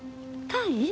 単位？